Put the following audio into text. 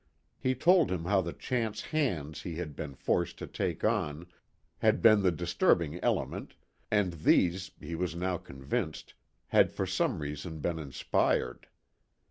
He told him how the chance "hands" he had been forced to take on had been the disturbing element, and these, he was now convinced, had for some reason been inspired.